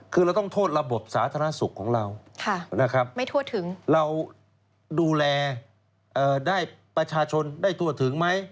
คือเราต้องโทษระบบสาธารณสุขของเรานะครับไม่ทั่วถึงเราดูแลได้ประชาชนได้ทั่วถึงไหม